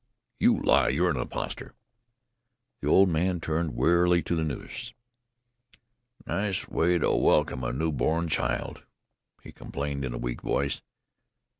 "You lie! You're an impostor!" The old man turned wearily to the nurse. "Nice way to welcome a new born child," he complained in a weak voice.